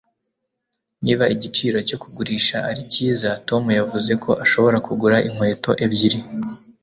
niba igiciro cyo kugurisha ari cyiza, tom yavuze ko ashobora kugura inkweto ebyiri